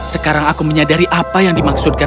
sekarang aku menyadari apa yang dimaksudkan